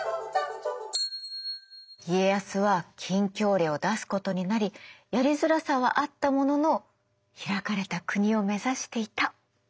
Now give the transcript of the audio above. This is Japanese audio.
家康は禁教令を出すことになりやりづらさはあったものの開かれた国を目指していた。